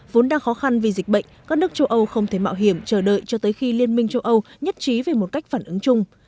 vốn đang khó khăn vì dịch bệnh các nước châu âu không thể mạo hiểm chờ đợi cho tới khi liên minh châu âu nhất trí về một cách phản ứng chung